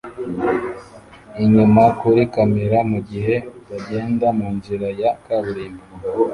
inyuma kuri kamera mugihe bagenda munzira ya kaburimbo